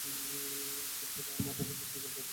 তোর ঘোড়া আমার রকেটের চেয়েও দ্রুতগামী।